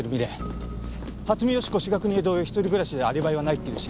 初見芳子志賀邦枝同様一人暮らしでアリバイはないっていうし。